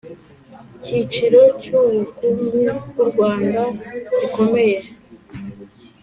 kiciro cy ubukungu bw u Rwanda gikomeye